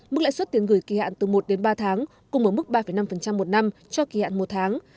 mức lãi suất tiền gửi kỳ hạn từ một đến ba tháng cùng ở mức ba năm một năm cho kỳ hạn một tháng